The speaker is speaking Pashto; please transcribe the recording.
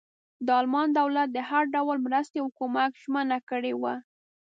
د المان دولت د هر ډول مرستې او کمک ژمنه کړې وه.